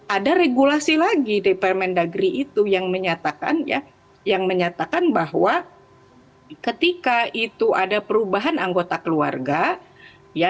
ada regulasi lagi di pemendagri itu yang menyatakan bahwa ketika itu ada perubahan anggota keluarga